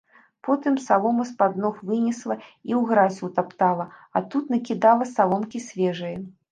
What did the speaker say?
Потым салому з-пад ног вынесла і ў гразь утаптала, а тут накідала саломкі свежае.